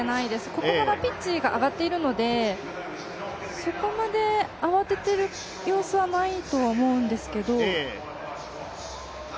ここからピッチが上がっているので、そこまで慌てている様子はないとは思うんですけれども。